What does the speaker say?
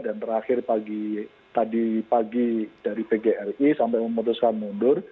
dan terakhir pagi tadi pagi dari pgri sampai memutuskan mundur